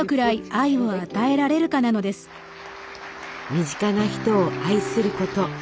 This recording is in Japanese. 身近な人を愛すること